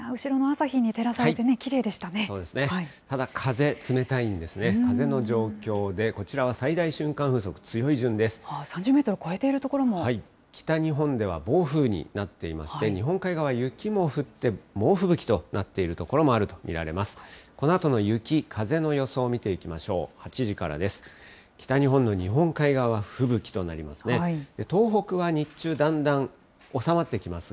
北日本では暴風になっていまして、日本海側、雪も降って、猛吹雪となっている所もあると見られます。